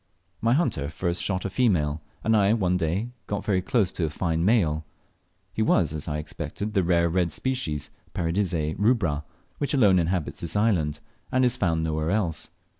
My hunter first shot a female, and I one day got very close to a fine male. He was, as I expected, the rare red species, Paradisea rubra, which alone inhabits this island, and is found nowhere else.